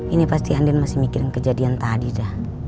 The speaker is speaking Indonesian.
ini pasti andin masih mikirin kejadian tadi dah